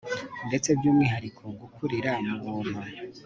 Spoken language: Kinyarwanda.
ndetse byumwihariko gukurira mu buntu